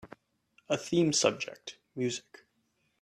A theme subject